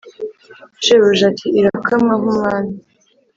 shebuja ati: “irakamwa nk’umwami”